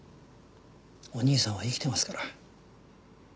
お兄さんは生きてますから。